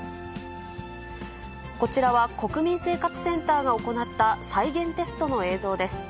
こちらは国民生活センターが行った再現テストの映像です。